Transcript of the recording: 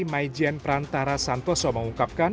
maijian prantara santoso mengungkapkan